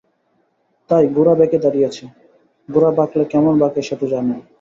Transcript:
তাই গোরা বেঁকে দাঁড়িয়েছে– গোরা বাঁকলে কেমন বাঁকে সে তো জানই।